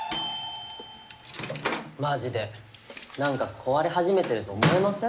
マジで何か壊れ始めてると思いません？